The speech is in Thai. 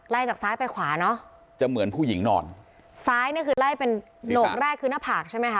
จากซ้ายไปขวาเนอะจะเหมือนผู้หญิงนอนซ้ายเนี่ยคือไล่เป็นโหลกแรกคือหน้าผากใช่ไหมคะ